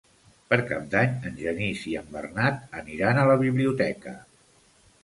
Per Cap d'Any en Genís i en Bernat aniran a la biblioteca.